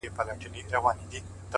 ستا په لاس کي د گلونو فلسفې ته-